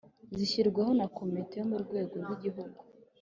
zishyirwaho na comite yo murwego rw’igihugu